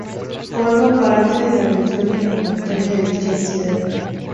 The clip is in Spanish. Forma parte de la región de La Montaña de dicha entidad.